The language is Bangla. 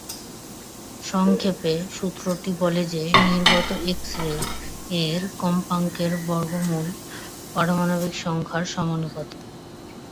সংক্ষেপে, সূত্রটি বলে যে, নির্গত এক্স-রে এর কম্পাঙ্কের বর্গমূল পারমাণবিক সংখ্যার সমানুপাতিক।